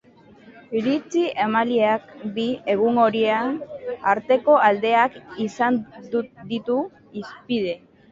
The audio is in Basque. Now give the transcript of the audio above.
Iritzi emaileak bi egun horien arteko aldeak izan ditu hizpide.